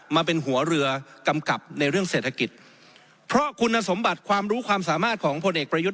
มาเป็นหัวเรือกำกับในเรื่องเศรษฐกิจเพราะคุณสมบัติความรู้ความสามารถของพลเอกประยุทธ์